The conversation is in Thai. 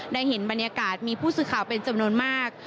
ได้เห็นบรรยากาศมีผู้สื่อข่าวเป็นจำนวนมาก